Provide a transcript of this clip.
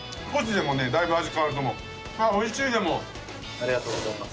ありがとうございます。